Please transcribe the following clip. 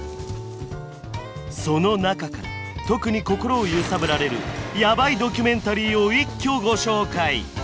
その中から特に心を揺さぶられるヤバいドキュメンタリーを一挙ご紹介！